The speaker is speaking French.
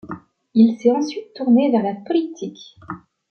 Il s'est ensuite tourné vers la politique.